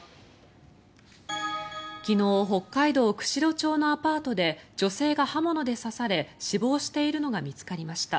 昨日北海道釧路町のアパートで女性が刃物で刺され死亡しているのが見つかりました。